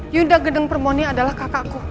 yunda gendeng permoni adalah kakakku